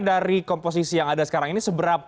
dari komposisi yang ada sekarang ini